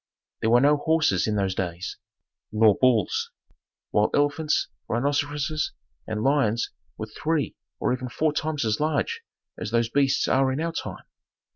There were no horses in those days, nor bulls; while elephants, rhinoceroses and lions were three or even four times as large as those beasts are in our time.